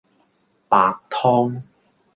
白湯